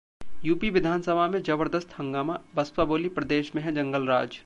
UP विधानसभा में जबरदस्त हंगामा, बसपा बोली- प्रदेश में है जंगलराज